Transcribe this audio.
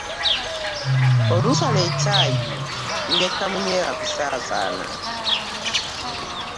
Olusala ekyayi luleka munyeera kusaasaana.